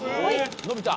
伸びた！